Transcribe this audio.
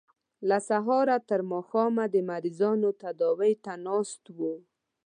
له سهاره تر ماښامه د مریضانو تداوۍ ته ناست وو.